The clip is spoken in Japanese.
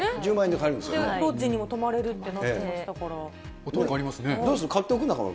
ロッジにも泊まれるってなってましたから。